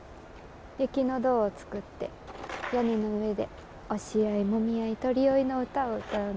雪の堂を作って屋根の上で押し合いもみ合い鳥追いの歌を歌うの。